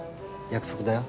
約束だよ。